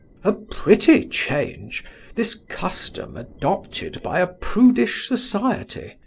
"A pretty change this custom adopted by a prudish society!"